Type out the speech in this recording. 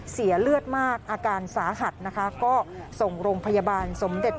เสียเลือดมากอาการสาหัสนะคะก็ส่งโรงพยาบาลสมเด็จ